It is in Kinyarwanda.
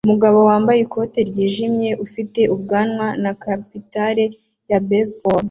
Umugabo wambaye ikoti ryijimye ufite ubwanwa na capitale ya baseball